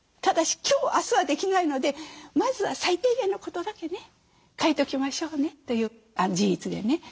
ただし今日明日はできないのでまずは最低限のことだけね書いときましょうね自筆でね。